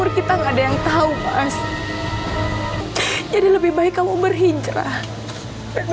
ukur kita gada yang tahu mas jadi lebih baik kamu berhinjrah anggunya mannanya kita udah berani marriage '